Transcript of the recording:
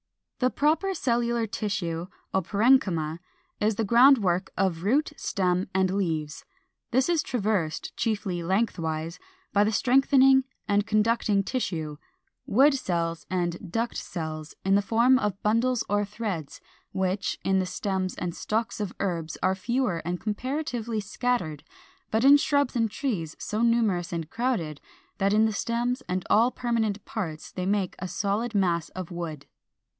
] 409. The proper cellular tissue, or parenchyma, is the ground work of root, stem, and leaves; this is traversed, chiefly lengthwise, by the strengthening and conducting tissue, wood cells and duct cells, in the form of bundles or threads, which, in the stems and stalks of herbs are fewer and comparatively scattered, but in shrubs and trees so numerous and crowded that in the stems and all permanent parts they make a solid mass of wood.